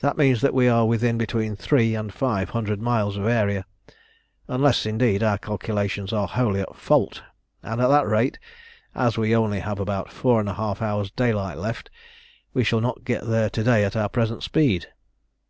That means that we are within between three and five hundred miles of Aeria, unless, indeed, our calculations are wholly at fault, and at that rate, as we only have about four and a half hours' daylight left, we shall not get there to day at our present speed."